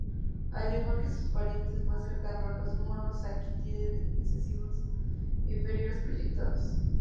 Al igual que sus parientes más cercanos, los monos saki, tienen incisivos inferiores proyectados.